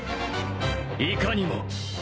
いかにも。